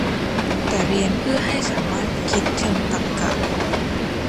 แต่เรียนเพื่อให้สามารถคิดเชิงตรรกะ